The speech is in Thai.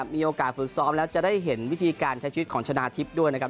มีโอกาสฝึกซ้อมแล้วจะได้เห็นวิธีการใช้ชีวิตของชนะทิพย์ด้วยนะครับ